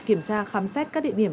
kiểm tra khám xét các địa điểm